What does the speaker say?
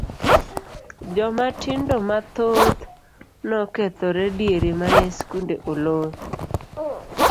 Jomatindo mathoth nokethore diere mane skunde olor.